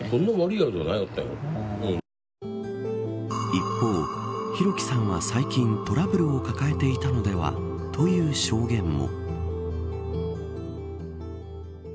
一方、弘輝さんは最近トラブルを抱えていたのではという証言も。